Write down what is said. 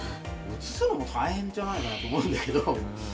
移すのも大変じゃないのかなと思うんですけど。